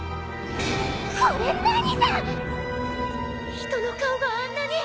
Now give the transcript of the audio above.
人の顔があんなに。